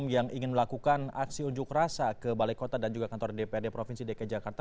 yang ingin melakukan aksi unjuk rasa ke balai kota dan juga kantor dprd provinsi dki jakarta